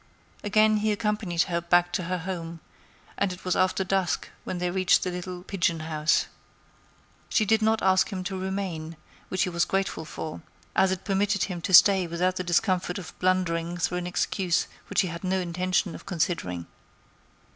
Again he accompanied her back to her home; and it was after dusk when they reached the little "pigeon house." She did not ask him to remain, which he was grateful for, as it permitted him to stay without the discomfort of blundering through an excuse which he had no intention of considering.